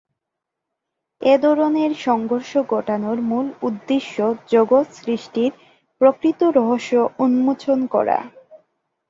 এ ধরনের সংঘর্ষ ঘটানোর মূল উদ্দেশ্য জগৎ সৃষ্টির প্রকৃত রহস্য উন্মোচন করা।